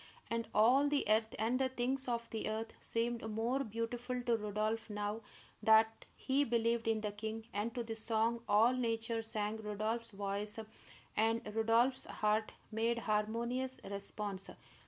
And all the earth and the things of the earth seemed more beautiful to Rodolph now that he believed in the king; and to the song all Nature sang Rodolph's voice and Rodolph's heart made harmonious response.